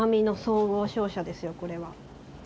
これは。